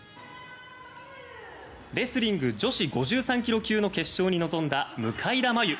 レスリング女子５３ｋｇ級の決勝に臨んだ向田真優。